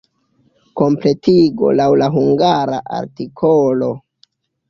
Kompletigo laŭ la hungara artikolo.